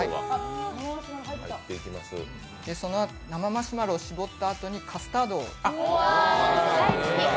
その生マシュマロを絞ったあとにカスタードを。